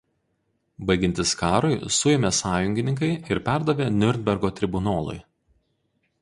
Baigiantis karui suėmė sąjungininkai ir perdavė Niurnbergo tribunolui.